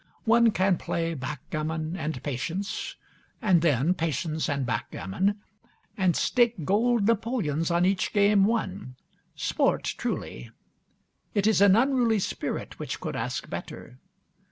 One can play backgammon and patience, and then patience and backgammon, and stake gold napoleons on each game won. Sport truly! It is an unruly spirit which could ask better.